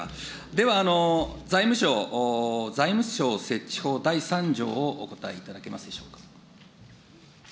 では、財務省、財務省設置法第３条をお答えいただけますでしょうか。